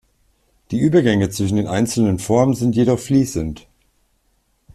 Die Übergänge zwischen den einzelnen Formen sind jedoch fließend.